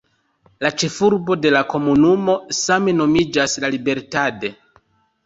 La ĉefurbo de la komunumo same nomiĝas La Libertad.